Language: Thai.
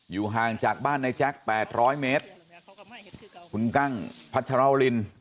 อยู่ห่างจากบ้านในแจ๊ค๘๐๐เมตร